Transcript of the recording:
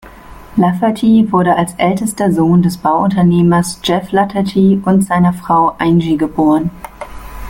Lafferty wurde als ältester Sohn des Bauunternehmers Jeff Lafferty und seiner Frau Angie geboren.